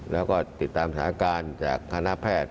แล้วก็ติดตามสถานการณ์จากคณะแพทย์